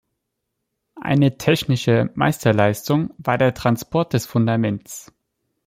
Eine technische Meisterleistung war der Transport des Fundaments.